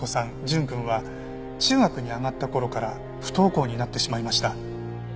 純くんは中学に上がった頃から不登校になってしまいました。